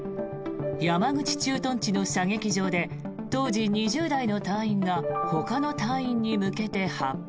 山口駐屯地の射撃場で当時２０代の隊員がほかの隊員に向けて発砲。